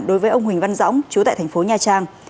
đối với ông huỳnh văn dõng chú tại thành phố nha trang